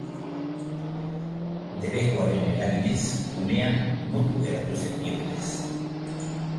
Debekuaren eraginez, umea mutu geratu zen bi urtez.